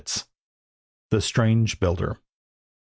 THE STRANGE BUILDER.